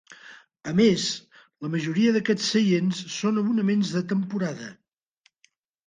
A més, la majoria d'aquests seients són abonaments de temporada.